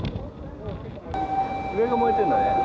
上が燃えてるんだね。